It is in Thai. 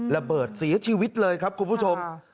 ระเบิดเสียชีวิตเลยครับคุณผู้ชม